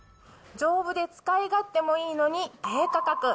丈夫で使い勝手もいいのに、低価格。